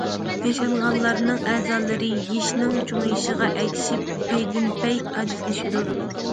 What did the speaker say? ياشانغانلارنىڭ ئەزالىرى يېشىنىڭ چوڭىيىشىغا ئەگىشىپ پەيدىنپەي ئاجىزلىشىدۇ.